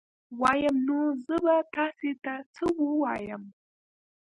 وام نو زه به تاسي ته څه ووایم